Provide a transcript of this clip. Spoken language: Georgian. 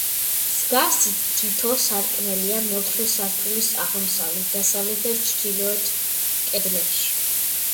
მსგავსი თითო სარკმელია მეოთხე სართულის აღმოსავლეთ, დასავლეთ და ჩრდილოეთ კედლებში.